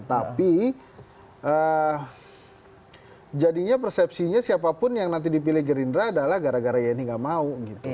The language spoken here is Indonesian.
tapi jadinya persepsinya siapapun yang nanti dipilih gerindra adalah gara gara yeni nggak mau gitu